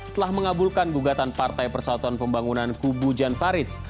telah mengabulkan gugatan partai persatuan pembangunan kubu jan faridz